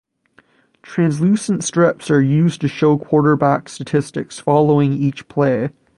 Translucent strips are used to show quarterback statistics following each play.